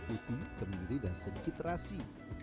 kemudian tambahkan bawang putih kemiri dan sedikit rasi